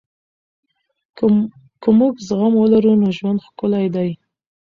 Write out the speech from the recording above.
که موږ زغم ولرو نو ژوند ښکلی دی.